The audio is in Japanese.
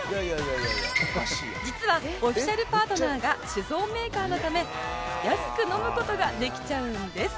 実はオフィシャルパートナーが酒造メーカーのため安く飲む事ができちゃうんです